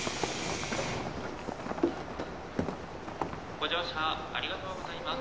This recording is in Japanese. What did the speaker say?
「ご乗車ありがとうございます」